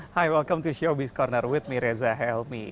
hai selamat datang di showbiz corner saya reza helmi